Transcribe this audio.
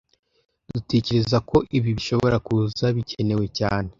Dutekereza ko ibi bishobora kuza bikenewe cyane